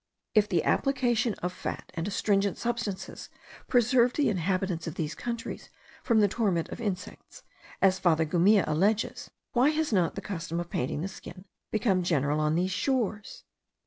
If the application of fat and astringent* substances preserved the inhabitants of these countries from the torment of insects, as Father Gumilla alleges, why has not the custom of painting the skin become general on these shores?